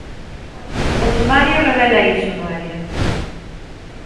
O sumario revela iso, Noelia.